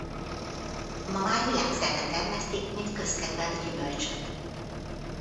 Ma már világszerte termesztik mint közkedvelt gyümölcsöt.